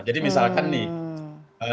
jadi misalkan nih